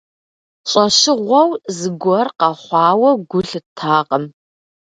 ЩӀэщыгъуэу зыгуэр къэхъуауэ гу лъыттакъым.